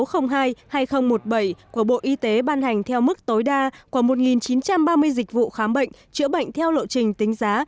số hai nghìn một mươi bảy của bộ y tế ban hành theo mức tối đa của một chín trăm ba mươi dịch vụ khám bệnh chữa bệnh theo lộ trình tính giá